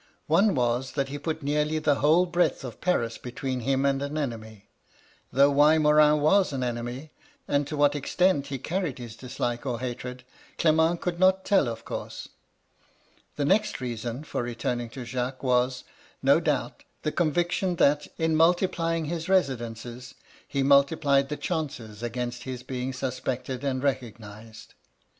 One was, that he put nearly the whole breadth of Paris between him and an enemy ; though why Morin was an enemy, and to what extent he carried his dislike or hatred, Clement could not tell, of course. The next reason for returning to Jacques was, no doubt, the conviction that, in multiplying his resi MY LADY LUDLOW. 179 dences, he multiplied the chances against his being suspected and recognised.